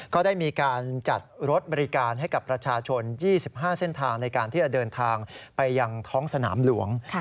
ก็ได้มีการจัดรถบริการให้กับประชาชน๒๕เส้นทางในการที่จะเดินทางไปยังท้องสนามหลวง